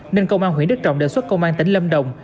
nên công an huyện đức trọng đề xuất công an tỉnh lâm đồng